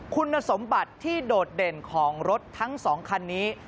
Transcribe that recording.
คุณสมบัติที่โดดเด่นของรถทั้ง๒คันนี้